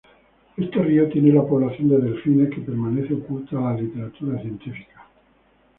Este río tiene la población de delfín que permanece oculta a la literatura científica.